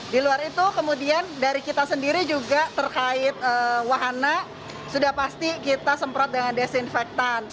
di luar itu kemudian dari kita sendiri juga terkait wahana sudah pasti kita semprot dengan desinfektan